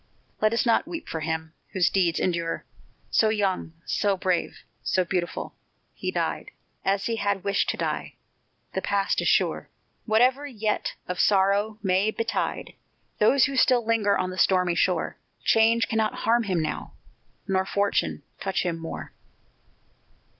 Let us not weep for him, whose deeds endure! So young, so brave, so beautiful! He died As he had wished to die; the past is sure; Whatever yet of sorrow may betide Those who still linger by the stormy shore, Change cannot harm him now, nor fortune touch him more.